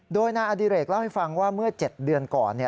โดยนายอดิเรกเล่าให้ฟังว่าเมื่อ๗เดือนก่อน